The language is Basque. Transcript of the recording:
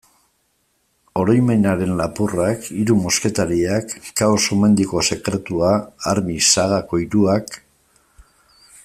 Oroimenaren lapurrak, Hiru mosketariak, Kao-Sumendiko sekretua, Armix sagako hiruak...